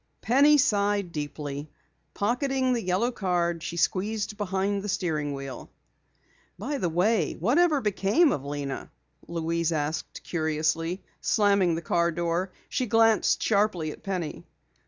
Penny sighed deeply. Pocketing the yellow card, she squeezed behind the steering wheel. "By the way, whatever became of Lena?" Louise asked curiously, slamming the car door. She glanced sharply at Penny.